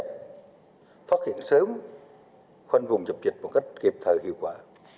phát hiện sớm khoanh vùng dập dịch một cách kịp thời hiệu quả